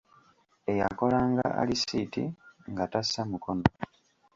Eyakolanga alisiiti nga tassa mukono.